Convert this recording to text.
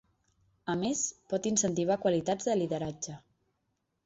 A més, pot incentivar qualitats de lideratge.